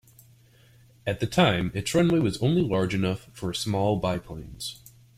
At the time, its runway was only large enough for small biplanes.